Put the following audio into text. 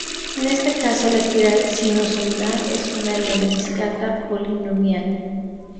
En este caso, la espiral sinusoidal es una lemniscata polinomial.